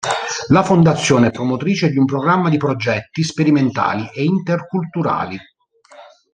La fondazione è promotrice di un programma di progetti sperimentali e interculturali.